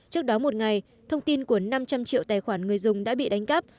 trước đó một ngày thông tin của năm trăm linh triệu tài khoản người dùng đã bị đánh cắp